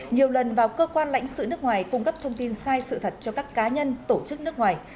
nhiều lần vào cơ quan lãnh sự nước ngoài cung cấp thông tin sai sự thật cho các cá nhân tổ chức nước ngoài